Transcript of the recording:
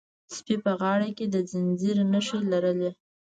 سپي په غاړه کې د زنځیر نښې لرلې.